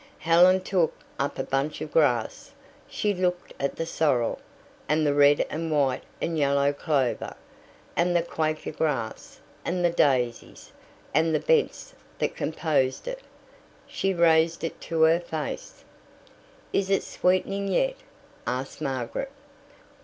Helen took up a bunch of grass. She looked at the sorrel, and the red and white and yellow clover, and the quaker grass, and the daisies, and the bents that composed it. She raised it to her face. "Is it sweetening yet?" asked Margaret.